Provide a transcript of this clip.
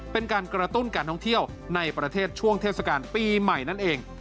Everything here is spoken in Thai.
เป็นการกระตุ้นการท่องเที่ยวในประเทศช่วงเทศกาลปีใหม่นั่นเอง